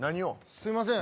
すいません